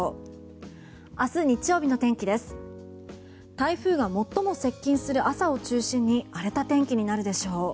台風が最も接近する朝を中心に荒れた天気になるでしょう。